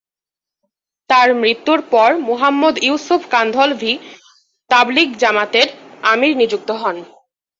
তার মৃত্যুর পর মুহাম্মদ ইউসুফ কান্ধলভি তাবলিগ জামাতের আমির নিযুক্ত হন।